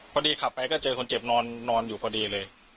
พอดีขับไปก็เจอคนเจ็บนอนอยู่พอดีเลย